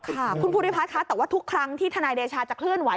ค่ะคุณภูริพัฒน์ค่ะแต่ว่าทุกครั้งที่ทนายเดชาจะเคลื่อนไห